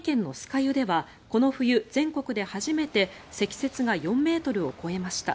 湯ではこの冬、全国で初めて積雪が４ｍを超えました。